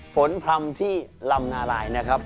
ผลพร่ำที่ลำนาลายนะครับ